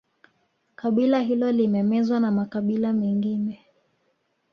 Kabila hilo limemezwa na makabila mengine